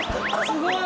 すごい。